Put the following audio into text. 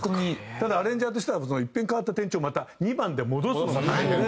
ただアレンジャーとしてはいっぺん変わった転調をまた２番で戻すのが大変で。